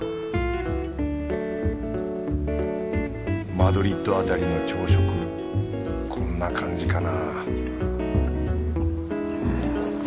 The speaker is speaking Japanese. マドリッドあたりの朝食こんな感じかな？